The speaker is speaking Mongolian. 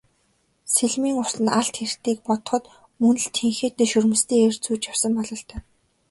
Сэлмийн урт нь алд хэртэйг бодоход мөн л тэнхээтэй шөрмөстэй эр зүүж явсан бололтой.